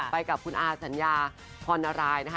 ไปกับอาทรรภ์สัญญาพรนารายย์นะฮะ